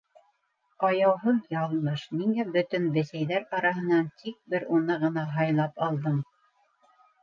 Аяуһыҙ яҙмыш, ниңә бөтөн бесәйҙәр араһынан тик бер уны ғына һайлап алдың?